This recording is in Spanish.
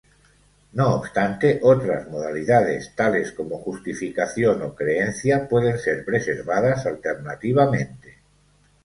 No obstante, otras modalidades, tales como justificación o creencia, pueden ser preservadas alternativamente.